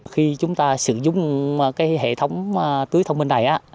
khi chúng ta sử dụng hệ thống tưới thông minh này